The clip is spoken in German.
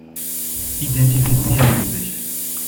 Identifizieren Sie sich.